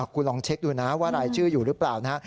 คุณลองเช็คดูนะว่ารายชื่ออยู่หรือเปล่านะฮะ